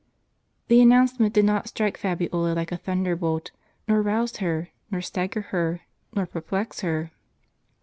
The announcement did not strike Fabiola like a thunder bolt, nor rouse her, nor stagger her, nor perplex her.